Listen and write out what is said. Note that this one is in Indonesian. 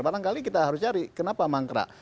barangkali kita harus cari kenapa mangkrak